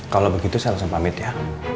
kalo begitu saya harus pamit ya